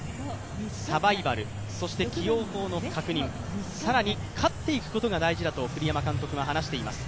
サバイバル、そして起用法の確認、さらに勝っていくことが大事だと栗山監督は話しています。